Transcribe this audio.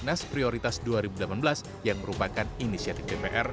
dan mengambil prioritas dua ribu delapan belas yang merupakan inisiatif gpr